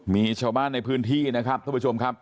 มีชาวบ้านในพื้นที่ครับสวัสดีครับ